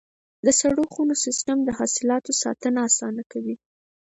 د سړو خونو سیستم د حاصلاتو ساتنه اسانه کوي.